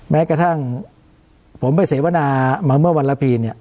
แม้กระทั่งผมไปเสวนามาเมื่อวันละปีเนี่ย